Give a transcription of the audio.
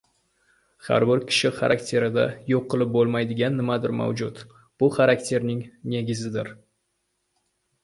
Har bir kishi xarakterida yo‘q qilib bo‘lmaydigan nimadir mavjud: bu xarakterning negizidir.